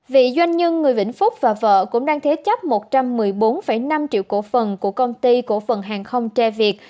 vị doanh nhân người vĩnh phúc và vợ cũng đang thế chấp một trăm một mươi bốn năm triệu cổ phần của công ty cổ phần hàng không tre việt